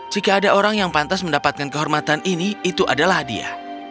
jika ada orang yang pantas mendapatkan kehormatan ini itu adalah dia